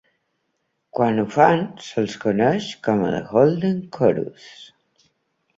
Quan ho fan, se'ls coneix com a The Holden Chorus.